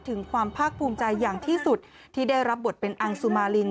ถึงความภาคภูมิใจอย่างที่สุดที่ได้รับบทเป็นอังสุมาริน